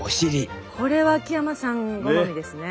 これは秋山さん好みですね。